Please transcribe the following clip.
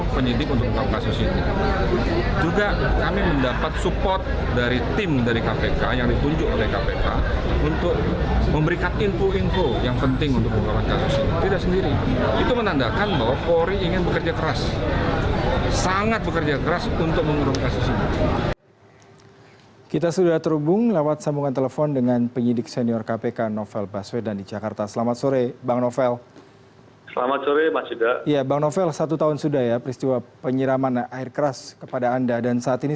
penyidik polri blikjan polisi muhammad iqbal mengatakan